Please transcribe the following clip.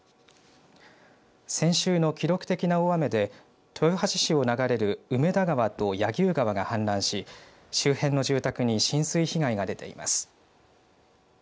先週の記録的な大雨で豊橋市を流れる梅田川と柳生川が氾濫し周辺の住宅に浸水被害が出ています。